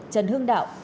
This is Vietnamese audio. trần hương đạo